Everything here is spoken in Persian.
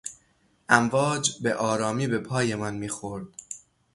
امواج به آرامی به پایمان میخورد.